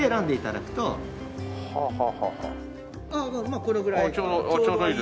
まあこれぐらいかな。